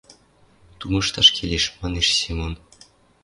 — Тумышташ келеш, — манеш Семон.